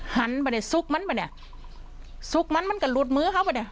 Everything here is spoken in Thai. หันไปเนี่ยซุกมันป่ะเนี่ยซุกมันมันก็หลุดมือเข้าไปเนี่ย